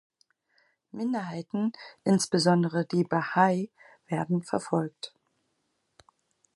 Minderheiten, insbesondere die Baha'i, werden verfolgt.